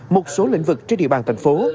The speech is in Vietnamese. một số lĩnh vực trên địa bàn thành phố